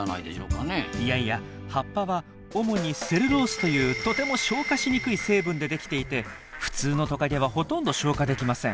いやいや葉っぱは主にセルロースというとても消化しにくい成分でできていて普通のトカゲはほとんど消化できません。